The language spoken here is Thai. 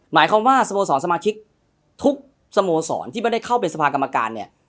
หมายความว่าสโมสรสมาชิกทุกสโมสรที่ไม่ได้เข้าเป็นสภากรรมการเนี่ย